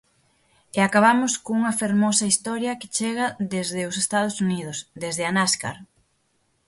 E acabamos cunha fermosa historia que chega desde os Estados Unidos, desde a Nascar.